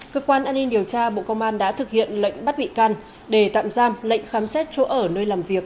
cơ quan an ninh điều tra bộ công an đã thực hiện lệnh bắt bị can để tạm giam lệnh khám xét chỗ ở nơi làm việc